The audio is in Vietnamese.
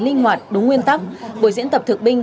linh hoạt đúng nguyên tắc buổi diễn tập thực binh